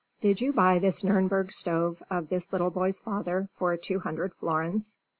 "Did you buy this Nürnberg stove of this little boy's father for two hundred florins?"